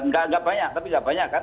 tidak banyak tapi tidak banyak kan